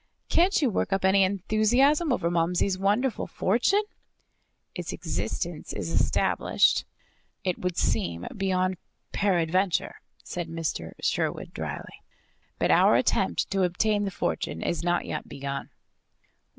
"Can't you work up any enthusiasm over Momsey's wonderful fortune?" "Its existence is established, it would seem, beyond peradventure," said Mr. Sherwood drily. "But our attempt to obtain the fortune is not yet begun."